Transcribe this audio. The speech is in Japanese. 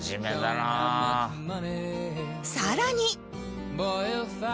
さらに